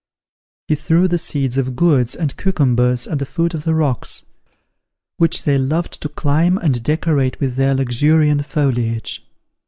He threw the seeds of gourds and cucumbers at the foot of the rocks, which they loved to climb and decorate with their luxuriant foliage.